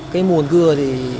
cái nguồn cưa thì